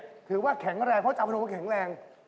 จริงปะเอ่นเพราะจาพนนมผมแข็งแรง